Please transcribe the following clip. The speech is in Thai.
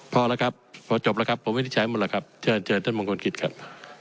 พอแล้วครับพอจบแล้วครับผมวินิจฉัยหมดแล้วครับเชิญเชิญท่านมงคลกิจครับ